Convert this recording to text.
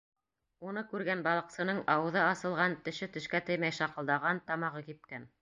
Уны күргән балыҡсының ауыҙы асылған, теше тешкә теймәй шаҡылдаған, тамағы кипкән.